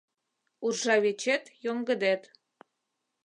Уржавечет йоҥгыдет